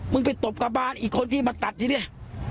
มึงไปตบกลับบ้านอีกคนที่มาตัดเที่ด้๋